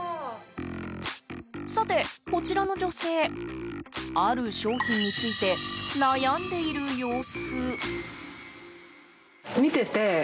さて、こちらの女性ある商品について悩んでいる様子。